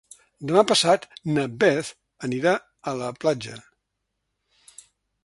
Demà passat na Beth anirà a la platja.